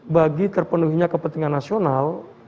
bagi terpenuhnya kepentingan nasional